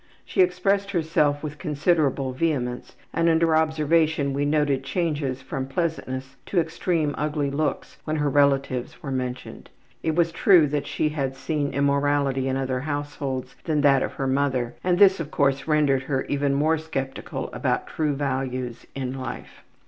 She expressed herself with considerable vehemence, and under observation we noted changes from pleasantness to extremely ugly looks when her relatives were mentioned. It was true that she had seen immorality in other households than that of her mother, and this, of course, rendered her even more skeptical about true values in life.